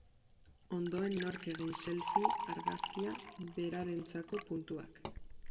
Ondoen nork egin selfie argazkia, berarentzako puntuak.